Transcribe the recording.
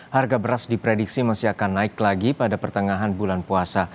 harga beras diprediksi masih akan naik lagi pada pertengahan bulan puasa